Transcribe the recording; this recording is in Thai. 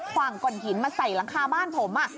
ว่างก่นหินมาใส่หลังคาบ้านผม